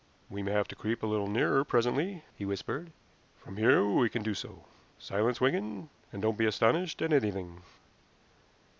"We may have to creep a little nearer presently," he whispered. "From here we can do so. Silence, Wigan, and don't be astonished at anything."